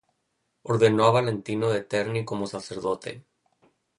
Ordenó a Valentino de Terni como sacerdote.